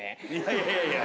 いやいやいや。